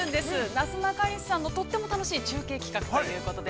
なすなかにしさんのとっても楽しい中継企画ということで。